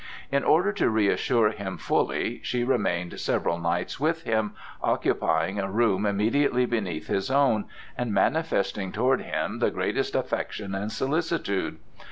In order to reassure him fully, she remained several nights with him, occupying a room immediately beneath his own, and manifesting toward him the greatest affection and solicitude.